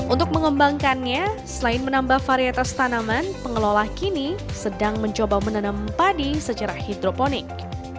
untuk mengembangkannya selain menambah varietas tanaman pengelola kini sedang mencoba menanam padi secara hidroponik